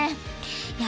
いや